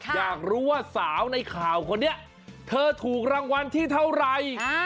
อยากรู้ว่าสาวในข่าวคนนี้เธอถูกรางวัลที่เท่าไร